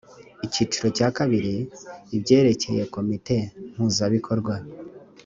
akiciro ka ii ibyerekeye komite mpuzabikorwa